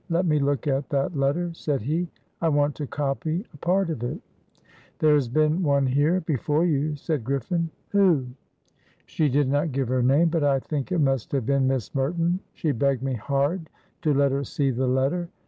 "Let me look at that letter?" said he. "I want to copy a part of it." "There has been one here before you," said Griffin. "Who?" "She did not give her name, but I think it must have been Miss Merton. She begged me hard to let her see the letter.